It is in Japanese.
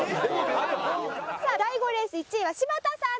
さあ第５レース１位は柴田さんでした。